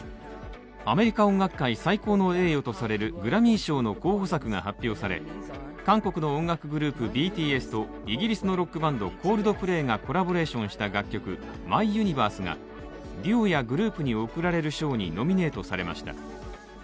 アメリカ音楽界最高の栄誉とされるグラミー賞の候補作が発表され韓国の音楽グループＢＴＳとイギリスのロックバンド、Ｃｏｌｄｐｌａｙがコラボレーションｈした楽曲「ＭｙＵｎｉｖｅｒｓｅ」がデュオやグループに贈られる賞にノミネートされました。